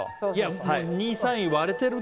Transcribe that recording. ２位、３位は割れてるな。